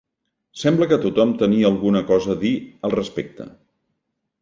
Sembla que tothom tenia alguna cosa a dir al respecte.